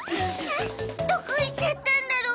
どこ行っちゃったんだろう。